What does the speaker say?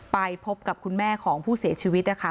ไปพบกับคุณแม่ของผู้เสียชีวิตนะคะ